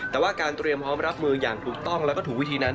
แต่ว่าการเตรียมพร้อมรับมืออย่างถูกต้องแล้วก็ถูกวิธีนั้น